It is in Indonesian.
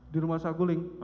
di rumah saguling